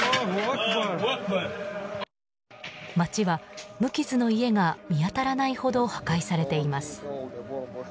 街は無傷の家が見当たらないほど破壊されています。